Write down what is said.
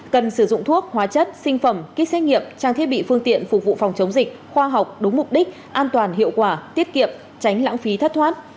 cần sử dụng thuốc hóa chất sinh phẩm kích xét nghiệm trang thiết bị phương tiện phục vụ phòng chống dịch khoa học đúng mục đích an toàn hiệu quả tiết kiệm tránh lãng phí thất thoát